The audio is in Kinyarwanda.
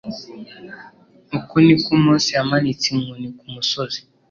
uko niko mose yamanitse inkoni kumusozi